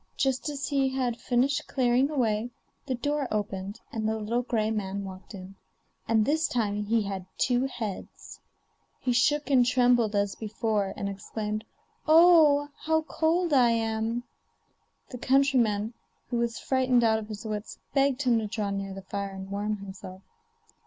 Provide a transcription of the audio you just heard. Just as he had finished clearing away, the door opened and the little gray man walked in, and this time he had two heads. He shook and trembled as before, and exclaimed: 'Oh! how cold I am.' The countryman, who was frightened out of his wits, begged him to draw near the fire and warm himself.